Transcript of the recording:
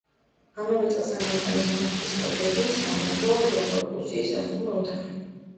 ამავე წელს ამოიყვანეს მონასტრის კედლები, სამრეკლო, რვა კორპუსი, სასტუმრო ოთახი.